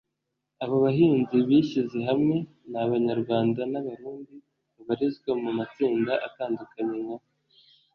abo bahanzi bishyize hamwe ni abanyarwanda n’abarundi babarizwa mu matsinda atandukanye nka